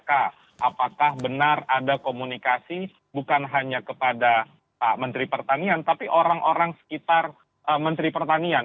apakah benar ada komunikasi bukan hanya kepada pak menteri pertanian tapi orang orang sekitar menteri pertanian